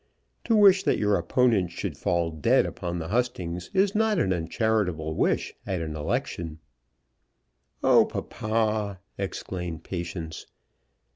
To wish that your opponent should fall dead upon the hustings is not an uncharitable wish at an election." "Oh, papa!" exclaimed Patience.